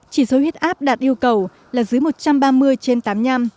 chỉ số huyết áp đạt yêu cầu là dưới một trăm ba mươi trên tám mươi năm